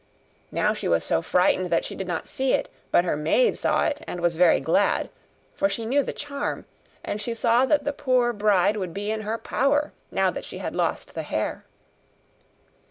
Now she was so frightened that she did not see it; but her maid saw it, and was very glad, for she knew the charm; and she saw that the poor bride would be in her power, now that she had lost the hair.